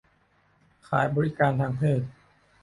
ขายบริการทางเพศ